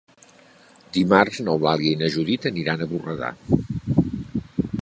Dimarts n'Eulàlia i na Judit aniran a Borredà.